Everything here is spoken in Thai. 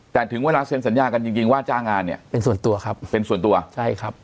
แต่ถึงเวลาเซ็นสัญญากันจริงจริงว่าจ้างงานเนี่ยเป็นส่วนตัวครับเป็นส่วนตัวใช่ครับ